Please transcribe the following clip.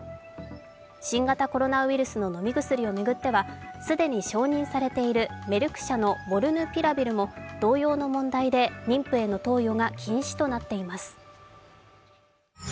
新型コロナウイルスの飲み薬を巡っては既に承認されているメルク社のモルヌピラビルも同様の問題で妊婦への投与が禁止となっています。